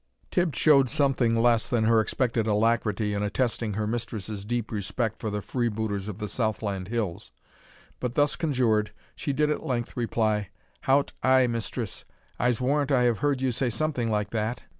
Tibb showed something less than her expected alacrity in attesting her mistress's deep respect for the freebooters of the southland hills; but, thus conjured, did at length reply, "Hout ay, mistress, I'se warrant I have heard you say something like that."